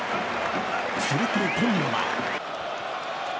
すると今度は。